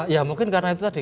ya mungkin karena itu tadi